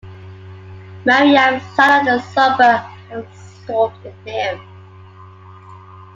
Miriam sat on the sofa absorbed in him.